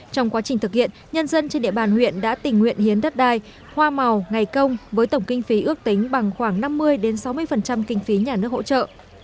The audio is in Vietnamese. trong quá trình thực hiện nhân dân trên địa bàn huyện đã tình nguyện hiến đất đai hoa màu ngày công với tổng kinh phí ước tính bằng khoảng năm mươi sáu mươi kinh phí nhà nước hỗ trợ